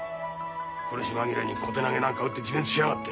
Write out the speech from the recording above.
苦し紛れに小手投げなんか打って自滅しやがって。